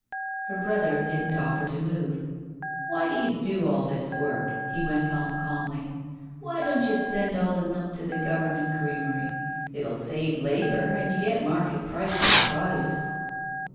Her brother didn't offer to move. "Why do you do all this work?" he went on calmly. "Why don't you send all the milk to the Government creamery? It'll save labour, and you get market price for the produce."